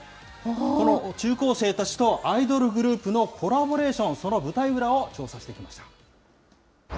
この中高生たちとアイドルグループのコラボレーション、その舞台裏を調査してきました。